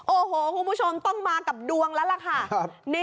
โอ้โหคุณผู้ชมต้องมากับดวงแล้วล่ะค่ะ